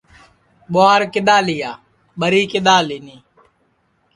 ٻُواہار کِدؔا لیا ٻری کِدؔا لینی